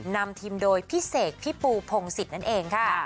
นำทีมโดยพี่เสกพี่ปูพงศิษย์นั่นเองค่ะ